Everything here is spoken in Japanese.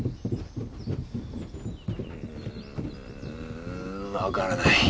うんわからない。